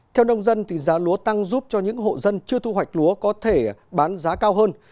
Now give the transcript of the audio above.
theo nông dân giá lúa tăng giúp cho những hộ dân chưa thu hoạch lúa có thể bán giá cao hơn